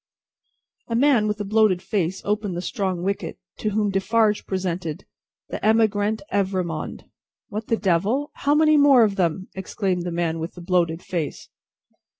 A man with a bloated face opened the strong wicket, to whom Defarge presented "The Emigrant Evrémonde." "What the Devil! How many more of them!" exclaimed the man with the bloated face.